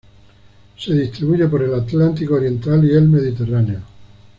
Se distribuye por el Atlántico oriental y el Mediterráneo.